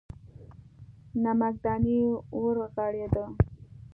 نمکدانۍ ورغړېده.